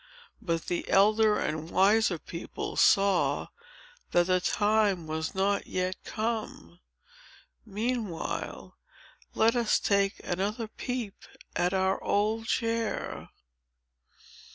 "But the elder and wiser people saw that the time was not yet come. Meanwhile, let us take another peep at our old chair."